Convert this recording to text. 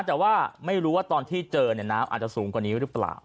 แต่ว่าไม่รู้ว่าตอนที่เจอเนี่ยน้ำอาจจะสูงกว่านี้หรือเปล่า